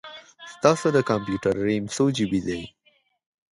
ستاسو د کمپیوټر رم څو جې بې دی؟